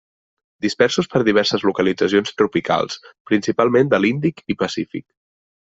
Dispersos per diverses localitzacions tropicals, principalment de l'Índic i Pacífic.